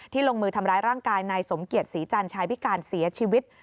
ลงมือทำร้ายร่างกายนายสมเกียจศรีจันทร์ชายพิการเสียชีวิต